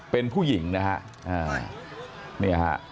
เป็นผู้หญิงนะฮะ